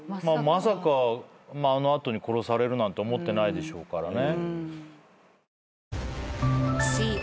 まさかあの後に殺されるとは思ってないでしょうからね。